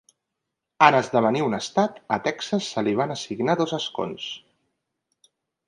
En esdevenir un estat, a Texas se li van assignar dos escons.